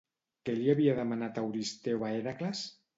Què li havia demanat Euristeu a Hèracles?